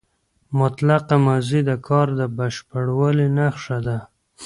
مطلقه ماضي د کار د بشپړوالي نخښه ده.